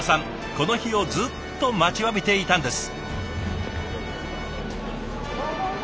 この日をずっと待ちわびていたんです。